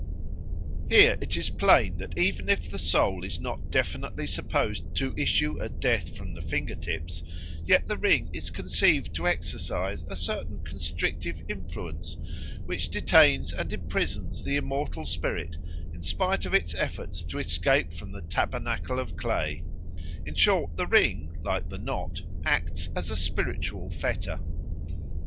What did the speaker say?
Here it is plain that even if the soul is not definitely supposed to issue at death from the finger tips, yet the ring is conceived to exercise a certain constrictive influence which detains and imprisons the immortal spirit in spite of its efforts to escape from the tabernacle of clay; in short the ring, like the knot, acts as a spiritual fetter.